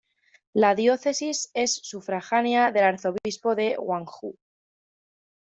La diócesis es sufragánea del Arzobispo de Gwangju.